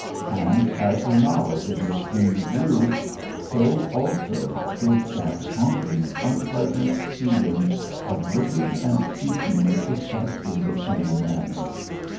And as her knowledge of Miss Deane grew, so, also, did that haunting unpleasant feeling of looking and speaking in precisely the same manner.